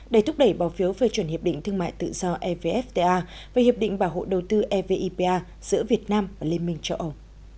để thúc đẩy báo phiếu về chuẩn hiệp định thương mại tự do evfta và hiệp định bảo hộ đầu tư evipa giữa việt nam và liên minh châu âu